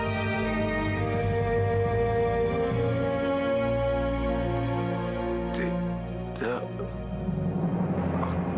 sebelum bertemu siapa